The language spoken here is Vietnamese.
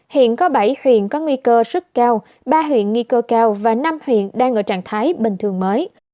hiện có bảy huyện có nguy cơ rất cao ba huyện nghi cơ cao và năm huyện đang ở trạng thái bình thường mới